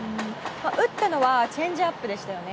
打ったのはチェンジアップでしたよね。